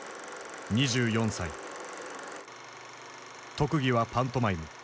特技はパントマイム。